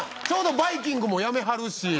ちょうど『バイキング』も辞めはるし。